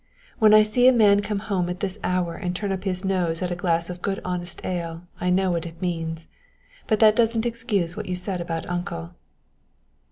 When I see a man come home at this hour and turn up his nose at a glass of good honest ale I know what it means. But that doesn't excuse what you said about uncle."